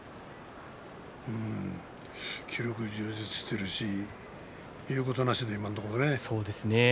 気力充実しているし言うことなしで、今のところね。